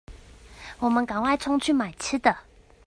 我們趕快衝去買吃的